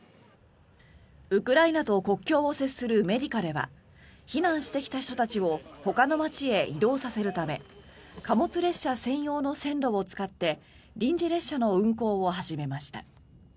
ウクライナと国境を接するメディカでは避難してきた人たちをほかの街へ移動させるため貨物列車専用の線路を使って臨時列車の運行を始めました。